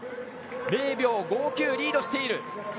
０秒５９リードしている。